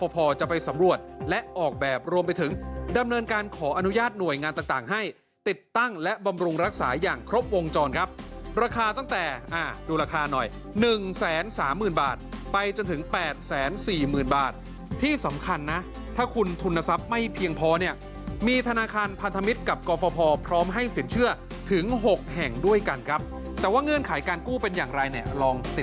พอจะไปสำรวจและออกแบบรวมไปถึงดำเนินการขออนุญาตหน่วยงานต่างให้ติดตั้งและบำรุงรักษาอย่างครบวงจรครับราคาตั้งแต่ดูราคาหน่อย๑๓๐๐๐บาทไปจนถึง๘๔๐๐๐บาทที่สำคัญนะถ้าคุณทุนทรัพย์ไม่เพียงพอเนี่ยมีธนาคารพันธมิตรกับกรฟภพร้อมให้สินเชื่อถึง๖แห่งด้วยกันครับแต่ว่าเงื่อนไขการกู้เป็นอย่างไรเนี่ยลองติด